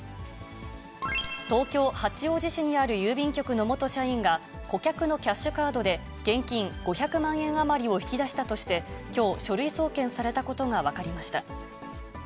東京・八王子市にある郵便局の元社員が、顧客のキャッシュカードで、現金５００万円余りを引き出したとして、きょう、書類送検されたことが分かりました。